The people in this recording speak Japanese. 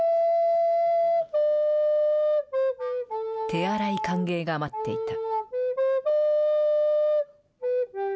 手荒い歓迎が待っていた。